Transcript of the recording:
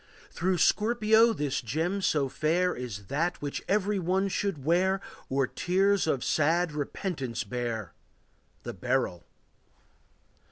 Through Scorpio this gem so fair Is that which every one should wear, Or tears of sad repentance bear,— The beryl.